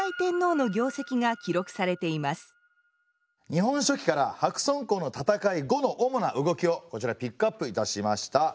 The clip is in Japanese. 「日本書紀」から白村江の戦い後の主な動きをこちらピックアップいたしました。